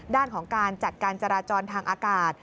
ด้านของการจัดการจราจรทางอากาศ